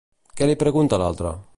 Què li pregunta l'altre?